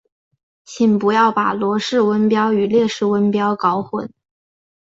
请不要把罗氏温标与列氏温标搞混。